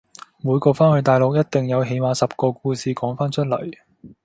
每個番去大陸一定有起碼十個故事講番出嚟